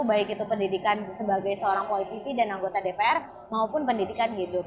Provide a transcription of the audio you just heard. baik itu pendidikan sebagai seorang polisi dan anggota dpr maupun pendidikan hidup